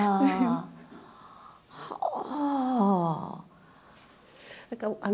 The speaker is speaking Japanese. はあ。